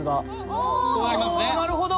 おなるほど。